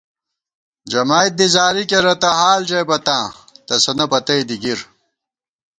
جمائید دی زاری کېرہ تہ حال ژَئیبہ تاں ، تسَنہ پتئ دی گِر